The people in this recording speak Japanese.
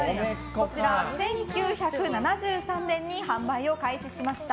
１９７３年に販売を開始しました。